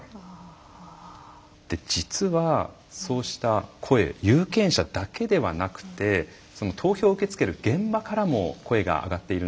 実はそうした声有権者だけではなくて投票を受け付ける現場からも声が上がっているんです。